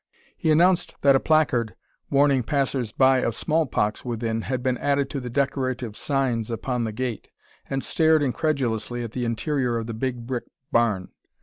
He announced that a placard warning passersby of smallpox within, had been added to the decorative signs upon the gate, and stared incredulously at the interior of the big brick barn.